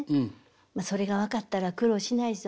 まあそれが分かったら苦労しないですよ。